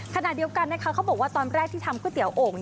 ขณะเดียวกันนะคะเขาบอกว่าตอนแรกที่ทำก๋วเตี๋ยโอ่ง